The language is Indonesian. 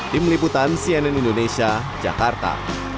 di meliputan cnn indonesia jakarta